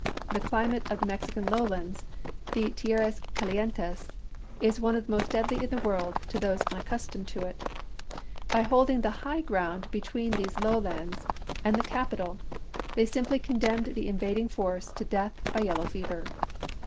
The climate of the Mexican lowlands — the tierras calientes — is one of the most deadly in the world to those un accustomed to it. By holding the high ground between these lowlands and the capital they simply MEXICO 43 condemned the invading force to death by yellow chap. ii. fever.